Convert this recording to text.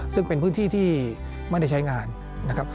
ซึ่งเป็นพื้นที่ที่ไม่ได้ใช้งานนะครับ